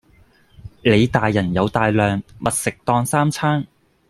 你大人有大量，密食當三餐